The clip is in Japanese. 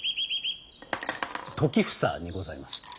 時房にございます。